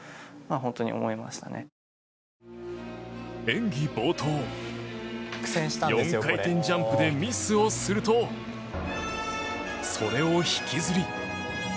演技冒頭の４回転ジャンプでミスをするとそれを引きずり。